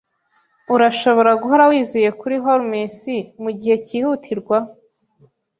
Urashobora guhora wizeye kuri Holmes mugihe cyihutirwa.